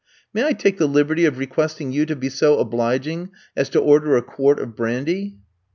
May I take the liberty of requesting you to be so obliging as to order a quart of brandy?'